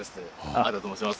荒田と申します